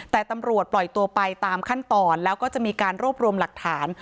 แต่ตำรวจปล่อยตัวไปตามขั้นตอนแล้วก็จะมีการรวบรวมหลักฐาน